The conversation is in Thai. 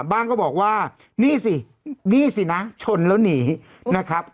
บ้างก็บอกว่านี่สินี่สินะชนแล้วหนีนะครับ